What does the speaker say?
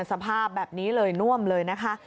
สภาพแบบนี้เลยน่วมเลยนะคะ